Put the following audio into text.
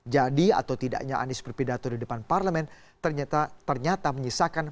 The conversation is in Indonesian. jadi atau tidaknya anies berpidato di depan parlemen ternyata menyisakan